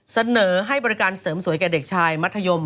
เสนอให้บริการเสริมสวยแก่เด็กชายมัธยม